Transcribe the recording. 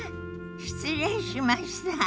失礼しました。